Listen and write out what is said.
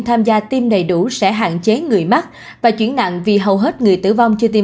tham gia tiêm đầy đủ sẽ hạn chế người mắc và chuyển nặng vì hầu hết người tử vong chưa tiêm